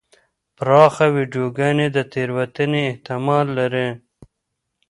پراخه ویډیوګانې د تېروتنې احتمال لري.